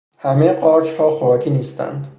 همهی قارچها خوراکی نیستند.